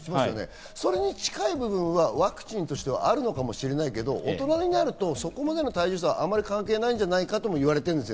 それに近い部分はワクチンとしてはあるのかもしれないけど、大人になるとそこまでの体重差はそこまで関係ないんじゃないかとも言われている。